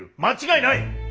間違いない！